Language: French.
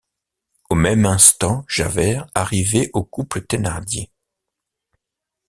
Au même instant Javert arrivait au couple Thénardier.